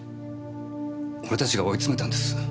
俺たちが追い詰めたんです。